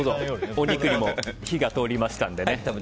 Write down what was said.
お肉にも火が通りましたのでね。